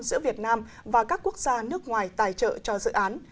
giữa việt nam và các quốc gia nước ngoài tài trợ cho dự án